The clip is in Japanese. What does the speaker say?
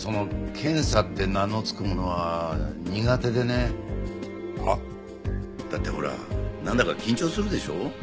検査って名の付くものは苦手でね。は？だってほらなんだか緊張するでしょう。